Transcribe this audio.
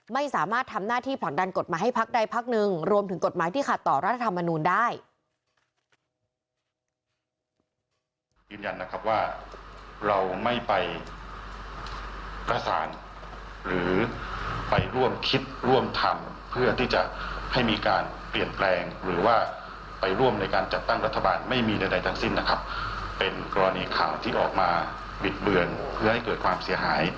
ไม่สามารถทำหน้าที่ผลักดันกฎหมายให้พักใดพักหนึ่งรวมถึงกฎหมายที่ขาดต่อรัฐธรรมนูลได้